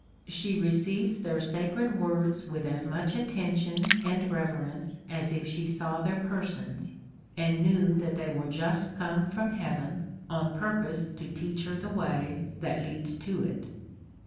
She receives their sacred words with as much attention and reverence as if she saw their persons, and knew that they were just come from heaven on purpose to teach her the way that leads to it.